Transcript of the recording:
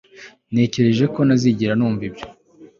Natekereje ko ntazigera numva ibyo